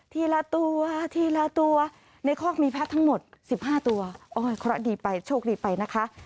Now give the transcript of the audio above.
ละตัวทีละตัวในคอกมีแพทย์ทั้งหมดสิบห้าตัวโอ้ยเคราะห์ดีไปโชคดีไปนะคะ